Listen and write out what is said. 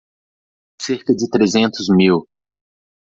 Cerca de trezentos mil.